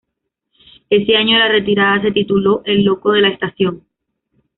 Ese año la retirada se tituló "El Loco De La Estación".